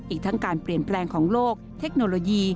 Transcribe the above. อีกทั้งการเปลี่ยนแปลงของโลกเทคโนโลยี